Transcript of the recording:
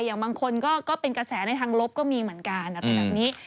อย่างบางคนก็เป็นกระแสในทางลบก็มีเหมือนกันอะไรแบบนี้